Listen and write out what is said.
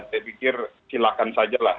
saya pikir silakan saja lah